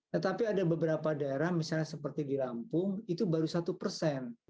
tetapi ada beberapa daerah misalnya seperti di lampung itu baru satu persen